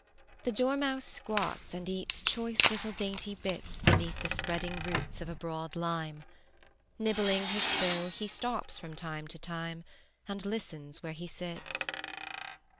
The dormouse squats and eats Choice little dainty bits Beneath the spreading roots of a broad lime; Nibbling his fill he stops from time to time And listens where he sits.